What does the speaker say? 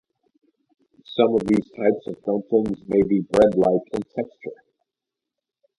Some of these types of dumplings may be bread-like in texture.